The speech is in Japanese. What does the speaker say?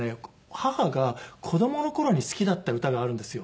母が子供の頃に好きだった歌があるんですよ。